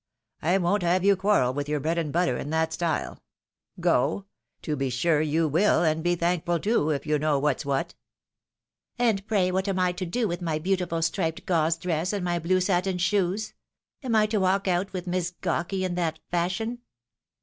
I won't have you quarrel with your bread and butter in that style. Go ? To be sure you wlU, and be thankful too, if you know what's what." " And pray what am I to do about my beautiful striped PATTY SACRIFICES PREJUDICE TO INTEREST. 113 gauze dress, and my blue satin shoes? Am I to walk out vvith Miss Gawky in that fashion